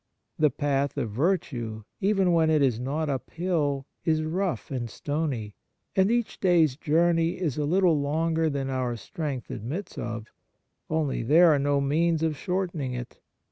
The path of virtue, even when it is not uphill, is rough and stony, and each day's journey is a little longer than our strength admits of, only there are no means of shortening it.